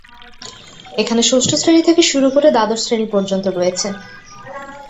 এখানে ষষ্ঠ শ্রেণি থেকে শুরু করে দ্বাদশ শ্রেণি পর্যন্ত রয়েছে।